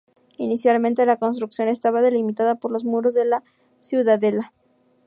Inicialmente, la construcción estaba delimitada por los muros de la ciudadela.